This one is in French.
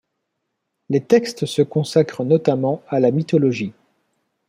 Les textes se consacrent notamment à la mythologie.